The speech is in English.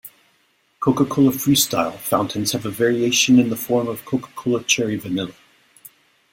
Coca-Cola Freestyle fountains have a variation in the form of Coca-Cola Cherry Vanilla.